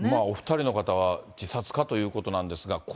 お２人の方は自殺かということなんですが。